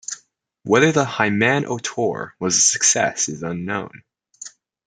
Whether the "Hyman Otor" was a success is unknown.